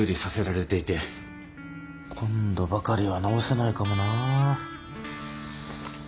今度ばかりは直せないかもなぁ